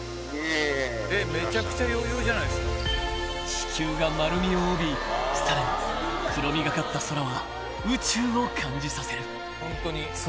［地球が丸みを帯びさらに黒みがかった空は宇宙を感じさせる］